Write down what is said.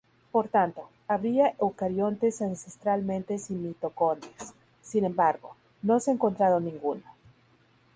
Por tanto, habría eucariontes ancestralmente sin mitocondrias; sin embargo, no se ha encontrado ninguno.